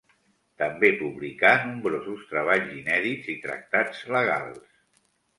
També publicà nombrosos treballs inèdits i tractats legals.